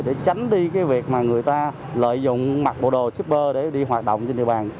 để tránh đi việc người ta lợi dụng mặc bộ đồ shipper để đi hoạt động trên địa bàn